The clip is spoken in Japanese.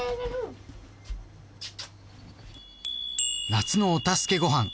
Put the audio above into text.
「夏のお助けごはん」